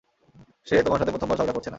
সে তোমার সাথে প্রথমবার ঝগড়া করছে না।